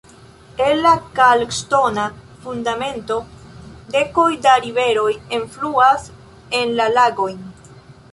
El la kalkŝtona fundamento dekoj da riveroj enfluas en la lagojn.